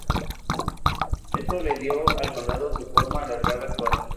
Esto le dio al condado su forma alargada actual.